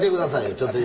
ちょっと今。